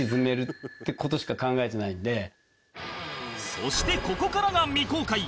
そしてここからが未公開